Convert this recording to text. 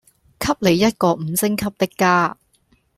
給你一個五星級的家